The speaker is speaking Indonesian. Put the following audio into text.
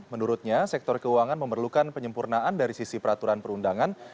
menurutnya sektor keuangan memerlukan penyempurnaan dari sisi peraturan perundangan